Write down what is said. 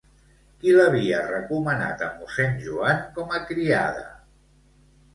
Qui l'havia recomanat a mossèn Joan com a criada?